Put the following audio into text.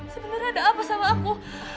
sebenarnya ada apa sama aku